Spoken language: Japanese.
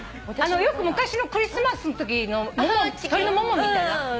よく昔のクリスマスのときの鶏のももみたいな？